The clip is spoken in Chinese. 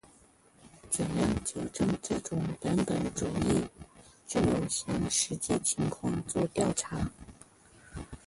怎样纠正这种本本主义？只有向实际情况作调查。